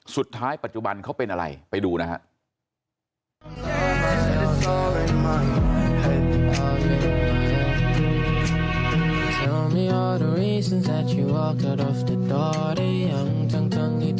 สุดท้ายปัจจุบันเขาเป็นอะไรไปดูนะฮะ